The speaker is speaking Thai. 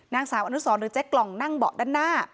นางสาวอนุสรหรือเจ๊กล่องนั่งเบาะด้านหน้า